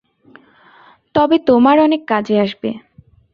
তবে তোমার অনেক কাজে আসবে।